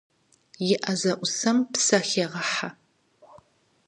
И ӏэ зэӏусэм псэ хегъэхьэ.